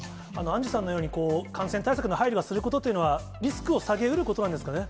アンジュさんのように、感染対策の配慮はすることというのは、リスクを下げうることなんですかね。